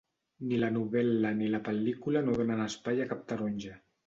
Ni la novel·la ni la pel·lícula no donen espai a cap taronja.